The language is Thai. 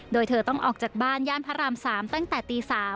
โดยเธอต้องออกจากบ้านย่านพระราม๓ตั้งแต่ตี๓